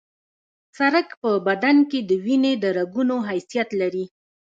سړک په بدن کې د وینې د رګونو حیثیت لري